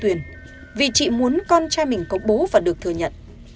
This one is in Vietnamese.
tuyền vì chị muốn con trai mình có bố và được thừa nhận